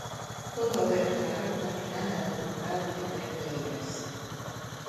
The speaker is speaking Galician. Todo aberto na recta final da temporada de traiñeiras.